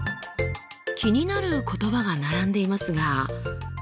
気になる言葉が並んでいますが。